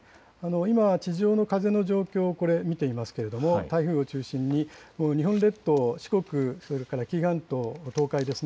今、地上の風の状況を見ていますが台風を中心に日本列島、四国、それから紀伊半島、東海です。